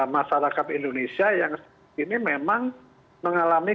masyarakat indonesia yang saat ini memang mengalami